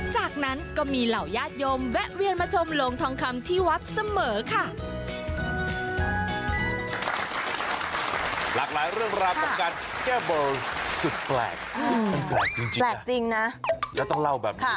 จากนั้นก็มีเหล่าญาติโยมแวะเวียนมาชมโลงทองคำที่วัดเสมอค่ะ